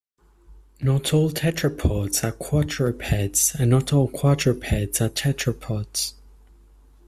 Not all tetrapods are quadrupeds and not all quadrupeds are tetrapods.